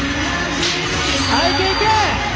「はいいけいけ！」。